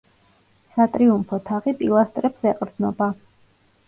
სატრიუმფო თაღი პილასტრებს ეყრდნობა.